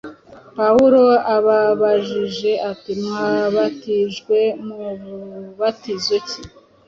Pawulo ababajije ati, “Mwabatijwe mubatizo ki? “